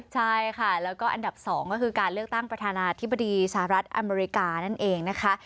ใช่ค่ะแล้วก็อันดับ๒ก็คือการเลือกตั้งประธานาธิบดีสหรัฐอเมริกานั่นเองนะคะ